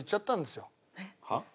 はっ？